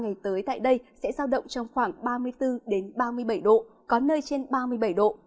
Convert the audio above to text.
nhiệt độ dưới tại đây sẽ giao động trong khoảng ba mươi bốn ba mươi bảy độ có nơi trên ba mươi bảy độ